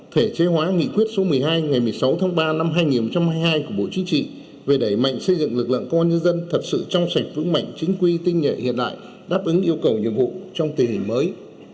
thể chế hóa nghị quyết số một mươi hai ngày một mươi sáu tháng ba năm hai nghìn hai mươi hai của bộ chính trị về đẩy mạnh xây dựng lực lượng công an nhân dân thật sự trong sạch vững mạnh chính quy tinh nhuệ hiện đại đáp ứng yêu cầu nhiệm vụ trong tình hình mới